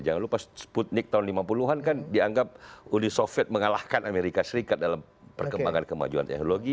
jangan lupa sputnik tahun lima puluh an kan dianggap uni soviet mengalahkan amerika serikat dalam perkembangan kemajuan teknologi